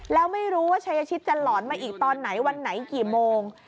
แล้วไม่รู้ว่าชายชิตจะหลอนมาอีกตอนไหนวันไหนกี่โมง